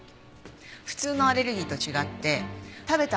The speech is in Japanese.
普通のアレルギーと違って食べた